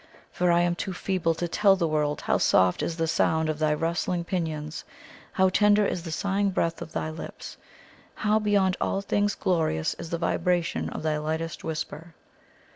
For I am too feeble to tell the world how soft is the sound of thy rustling pinions, how tender is the sighing breath of thy lips, how beyond all things glorious is the vibration of thy lightest whisper!